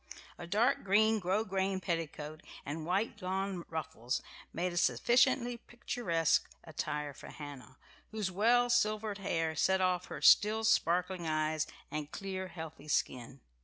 A dark green grosgrain petticoat and white lawn ruffles made a sufficiently picturesque attire for Hannah, whose well silvered hair set off her still sparkling eyes and clear healthy skin.